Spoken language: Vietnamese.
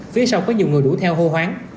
phía sau có nhiều người đuổi theo hô hoáng